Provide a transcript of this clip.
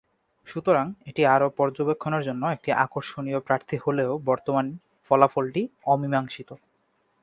সুতরাং, এটি আরও পর্যবেক্ষণের জন্য একটি আকর্ষণীয় প্রার্থী হলেও বর্তমান ফলাফলটি অমীমাংসিত।